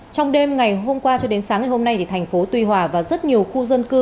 trong đêm ngày hôm qua cho đến sáng ngày hôm nay thành phố tuy hòa và rất nhiều khu dân cư